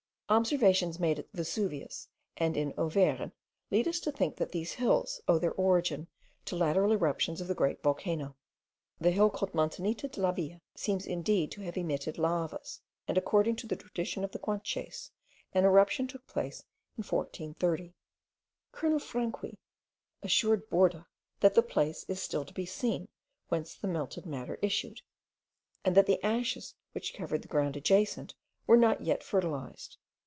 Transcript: Observations made at Vesuvius and in Auvergne lead us to think that these hills owe their origin to lateral eruptions of the great volcano. The hill called Montanita de la Villa seems indeed to have emitted lavas; and according to the tradition of the Guanches, an eruption took place in 1430. Colonel Franqui assured Borda, that the place is still to be seen whence the melted matter issued; and that the ashes which covered the ground adjacent, were not yet fertilized.